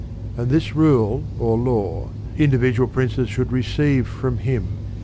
And this rule, or law, individual princes should receive from him.just 4.